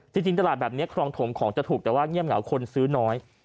จริงตลาดแบบนี้ครองถมของจะถูกแต่ว่าเงียบเหงาคนซื้อน้อย